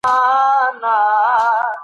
قانونيت د سياست لپاره مهم ګڼل کېده.